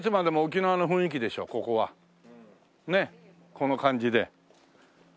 この感じで。